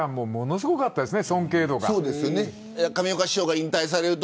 すごかったですね。